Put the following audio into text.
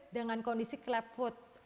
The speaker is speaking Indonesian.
dengan kondisi clap foot